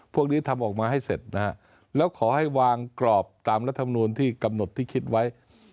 พวกนี้ทำออกมาให้เสร็จนะฮะแล้วขอให้วางกรอบตามรัฐมนูลที่กำหนดที่คิดไว้